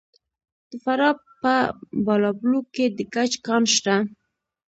د فراه په بالابلوک کې د ګچ کان شته.